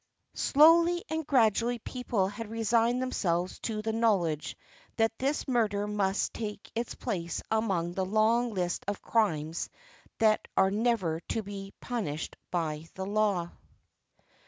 Slowly and gradually people had resigned themselves to the knowledge that this murder must take its place among the long list of crimes that are never to be punished by the law.